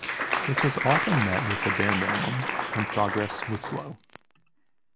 This was often met with the bare minimum, and progress was slow.